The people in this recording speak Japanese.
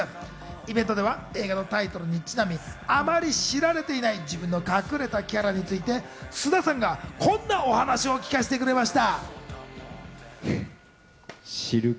イベントでは映画のタイトルにちなみ、あまり知られていない自分の隠れたキャラについて菅田さんがこんなお話を聞かせてくれました。